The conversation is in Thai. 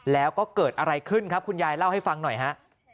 แล้วก็เกิดอะไรขึ้นครับคุณยายเล่าให้ฟังหน่อยฮะ